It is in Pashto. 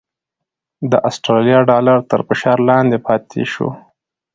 د اسټرالیا ډالر تر فشار لاندې پاتې شو؛